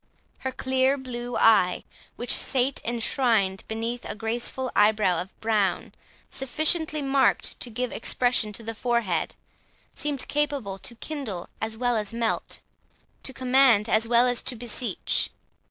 Her clear blue eye, which sat enshrined beneath a graceful eyebrow of brown sufficiently marked to give expression to the forehead, seemed capable to kindle as well as melt, to command as well as to beseech.